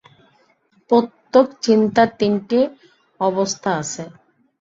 প্রত্যেক চিন্তার তিনটি অবস্থা আছে।